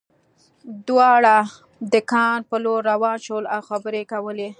دواړه د کان په لور روان شول او خبرې یې کولې